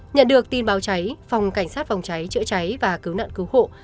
nhận được tin báo cháy phòng cảnh sát phòng cháy chữa cháy và cứu nạn cứu hộ